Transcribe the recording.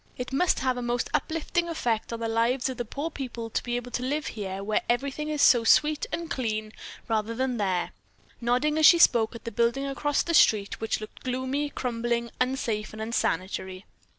It must have a most uplifting effect on the lives of the poor people to be able to live here where everything is so sweet and clean, rather than there," nodding, as she spoke, at a building across the street which looked gloomy, crumbling, unsafe and unsanitary.